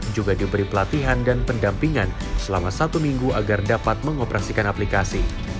juga diberi pelatihan dan pendampingan selama satu minggu agar dapat mengoperasikan aplikasi